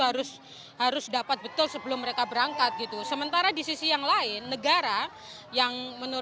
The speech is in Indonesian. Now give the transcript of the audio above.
harus harus dapat betul sebelum mereka berangkat gitu sementara di sisi yang lain negara yang menurut